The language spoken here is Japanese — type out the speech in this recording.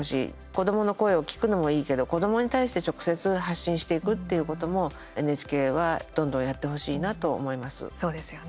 子どもの声を聴くのもいいけど子どもに対して直接発信していくっていうこともＮＨＫはどんどんやってほしいなと思います。